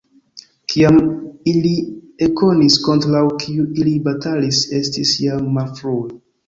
Kiam ili ekkonis kontraŭ kiu ili batalis, estis jam malfrue.